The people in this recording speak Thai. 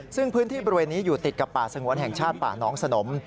ซึ่งพื้นที่บริเวณนี้อยู่ติดกับป่าสงวนแห่งชาติป่าน้องสนม